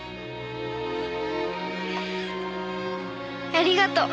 ありがとう。